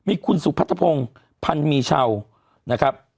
มีคุณสุปัสธพงค์พันมีเช่า